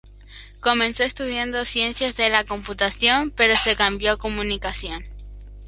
Comenzó estudiando Ciencias de la computación pero se cambió a Comunicación.